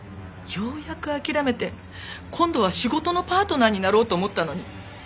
ようやく諦めて今度は仕事のパートナーになろうと思ったのに。